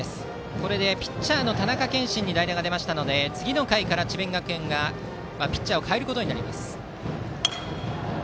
これでピッチャーの田中謙心に代打が出ましたので次の回から智弁学園がピッチャーを代えることになります。